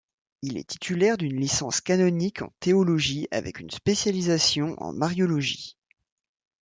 Il est titulaire d'une licence canonique en théologie avec une spécialisation en mariologie.